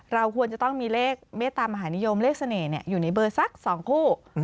เราควรจะต้องมีเลขเมตตามหานิยมเลขเสน่ห์อยู่ในเบอร์สัก๒คู่